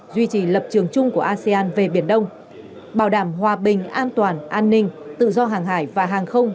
duy trì lập trường chung của asean về biển đông bảo đảm hòa bình an toàn an ninh tự do hàng hải và hàng không